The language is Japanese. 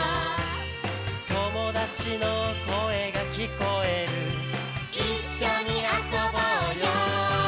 「友達の声が聞こえる」「一緒に遊ぼうよ」